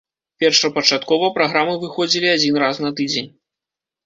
Першапачаткова праграмы выходзілі адзін раз на тыдзень.